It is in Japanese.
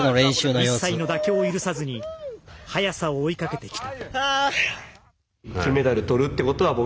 一切の妥協を許さずに速さを追いかけてきた。